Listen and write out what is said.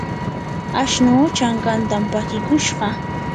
ashnuu chankantam pakikushqa.